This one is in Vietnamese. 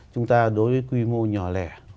chúng ta đối với quy mô nhỏ lẻ